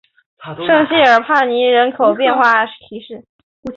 圣谢尔尚帕尼人口变化图示